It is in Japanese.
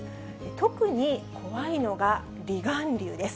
特に怖いのが、離岸流です。